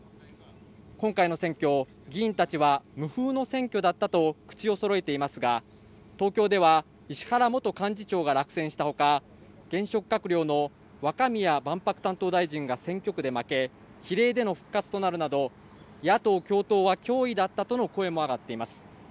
今回の選挙議員たちは無風の選挙だったと口をそろえていますが東京では石原元幹事長が落選したほか現職閣僚の担当大臣が選挙区で負け比例での復活となるなど野党共闘は脅威だったとの声も上がっています